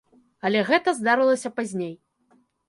Але гэта здарылася пазней.